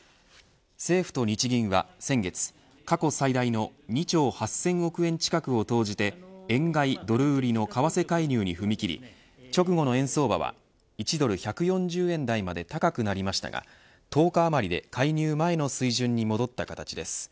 政府と日銀が先月過去最大の２兆８０００億円近くを投じて円買いドル売りの為替介入に踏み切り直後の円相場は１ドル１４０円台まで高くなりましたが１０日あまりで介入前の水準に戻った形です。